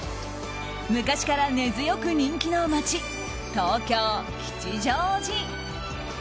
昔から根強く人気の街東京・吉祥寺。